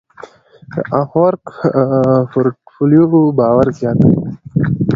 د افورک پورټفولیو باور زیاتوي.